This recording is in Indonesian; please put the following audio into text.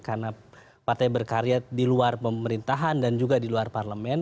karena partai berkarya di luar pemerintahan dan juga di luar parlemen